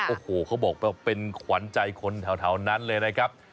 โอ้โหเขาบอกเป็นขวานใจคนเท่านั้นเลยนะครับ